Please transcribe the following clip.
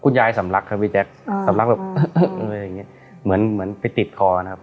คุณยายสำรักครับพี่แจ๊คอ่าสำรักแบบเหมือนเหมือนไปติดคอนะครับ